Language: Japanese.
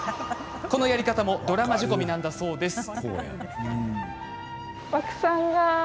このやり方もドラマ仕込みなんだそうです。